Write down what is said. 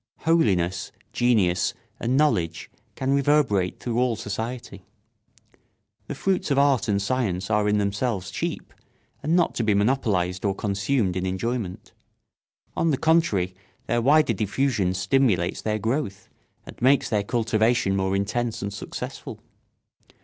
Holiness, genius, and knowledge can reverberate through all society. The fruits of art and science are in themselves cheap and not to be monopolised or consumed in enjoyment. On the contrary, their wider diffusion stimulates their growth and makes their cultivation more intense and successful.